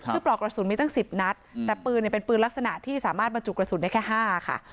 คือปลอกกระสุนมีตั้ง๑๐นัดแต่ปืนเป็นปืนลักษณะที่สามารถบรรจุกระสุนได้แค่๕ค่ะ